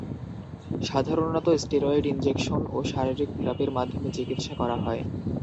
সাধারণত steroid injection ও শারীরিক থেরাপির মাধ্যমে চিকিৎসা করা হয়।